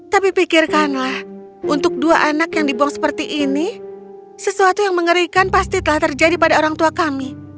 tapi pikirkanlah untuk dua anak yang dibuang seperti ini sesuatu yang mengerikan pasti telah terjadi pada orang tua kami